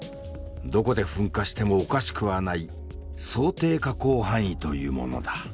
どこで噴火してもおかしくはない「想定火口範囲」というものだ。